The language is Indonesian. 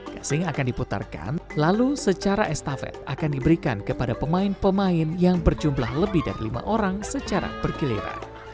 gasing akan diputarkan lalu secara estafet akan diberikan kepada pemain pemain yang berjumlah lebih dari lima orang secara bergiliran